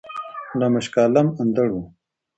ملا مُشک عالَم اندړ وو